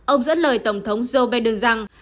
ông dẫn lời tổng thống joe biden rằng